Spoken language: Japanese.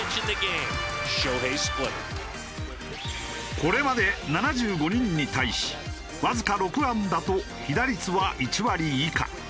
これまで７５人に対しわずか６安打と被打率は１割以下。